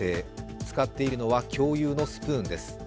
使っているのは共有のスプーンです。